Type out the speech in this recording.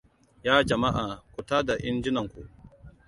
Ya jama'a, ku tada injinanku.